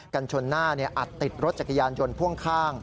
ชนหน้าอัดติดรถจักรยานยนต์พ่วงข้าง